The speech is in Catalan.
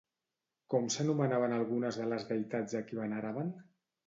Com s'anomenaven algunes de les deïtats a qui veneraven?